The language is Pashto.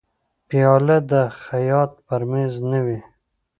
پیاله د خیاط پر مېز نه وي.